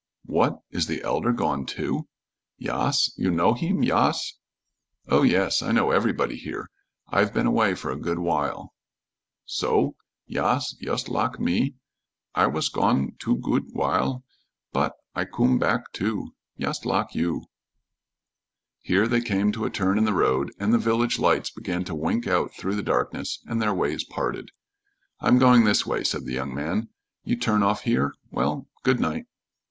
"What! Is the Elder gone, too?" "Yas. You know heem, yas?" "Oh, yes. I know everybody here. I've been away for a good while." "So? Yas, yust lak me. I was gone too goot wile, bot I coom back too, yust lak you." Here they came to a turn in the road, and the village lights began to wink out through the darkness, and their ways parted. "I'm going this way," said the young man. "You turn off here? Well, good night."